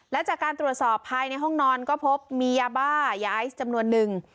และจากการตรวจสอบภายในห้องนอนก็พบมียาบ้ายาไอซ์จำนวนนึง